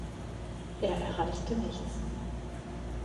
Er erreichte nichts.